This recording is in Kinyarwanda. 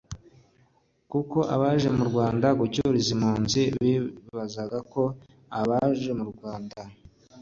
kuko abaje mu Rwanda gucyura izi mpunzi babizezaga ko abahungabanyaga umutekano bashyikirijwe ubutabera